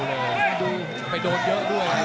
เพราะโดนเยอะด้วย